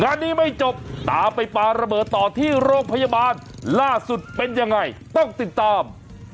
งานนี้ไม่จบตามไปปลาระเบิดต่อที่โรงพยาบาลล่าสุดเป็นยังไงต้องติดตาม